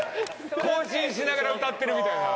行進しながら歌ってるみたいな。